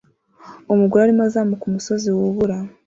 Umugore arimo azamuka umusozi wubura